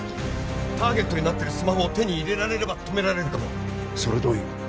ターゲットになってるスマホを手に入れられれば止められるかもそれはどういう？